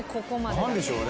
何でしょうね。